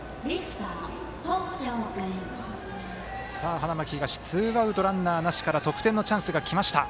花巻東ツーアウト、ランナーなしから得点のチャンスがきました。